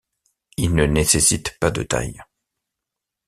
Il ne nécessite pas de taille.